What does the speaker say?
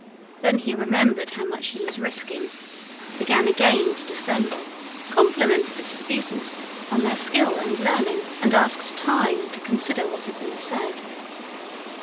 Then he remembered how much he was risking, began again to dissemble, complimented the disputants on their skill and learning, and asked time to consider what had been said.